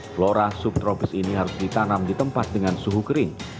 flora subtropis ini harus ditanam di tempat dengan suhu kering